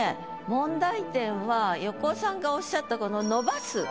問題点は横尾さんがおっしゃったこの「伸ばす」。